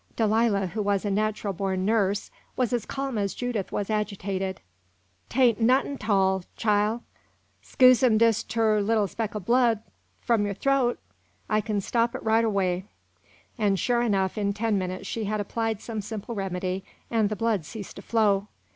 Delilah, who was a natural born nurse, was as calm as Judith was agitated. "'Tain' nuttin' tall, chile; 'scusin' 'tis er leetle speck o' blood fum yo' th'oat. I kin stop it righter way"; and, sure enough, in ten minutes she had applied some simple remedy and the blood ceased to flow.